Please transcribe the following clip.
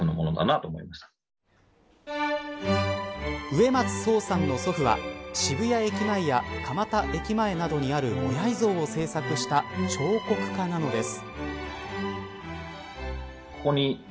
植松創さんの祖父は渋谷駅前や蒲田駅前などにあるモヤイ像を制作した彫刻家なのです。